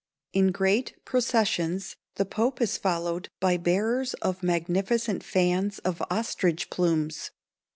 In great processions the Pope is followed by bearers of magnificent fans of ostrich plumes.